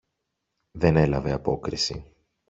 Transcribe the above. Δεν έλαβε απόκριση.